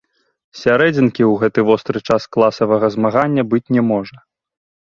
Сярэдзінкі ў гэты востры час класавага змагання быць не можа!